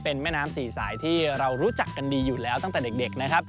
เป็นแม่น้ำสี่สายที่เรารู้จักกันดีอยู่แล้วตั้งแต่เด็กนะครับ